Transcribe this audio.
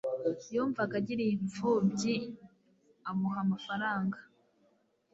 yumvaga agiriye impfubyi amuha amafaranga